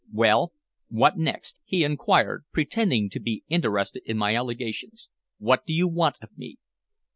"Well, what next?" he inquired, pretending to be interested in my allegations. "What do you want of me?"